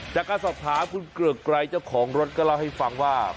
จากการสอบถามคุณเกือกไกรเจ้าของรถก็เล่าให้ฟังว่า